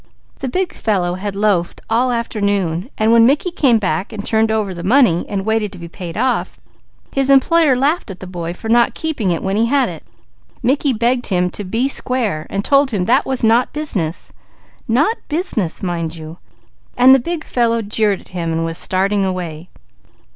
The big fellow had loafed all afternoon. When Mickey came back and turned over the money, and waited to be paid off, his employer laughed at the boy for not keeping it when he had it. Mickey begged him 'to be square' and told him that 'was not business' 'not business,' mind you, but the big fellow jeered at him and was starting away.